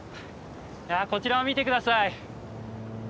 こちらを見て下さい。